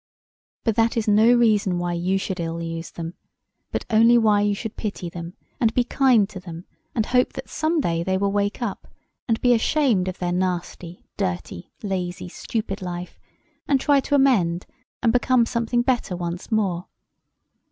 But that is no reason why you should ill use them: but only why you should pity them, and be kind to them, and hope that some day they will wake up, and be ashamed of their nasty, dirty, lazy, stupid life, and try to amend, and become something better once more.